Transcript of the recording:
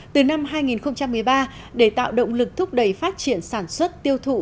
từ năm hai nghìn một mươi ba để tạo động lực thúc đẩy phát triển sản xuất tiêu thụ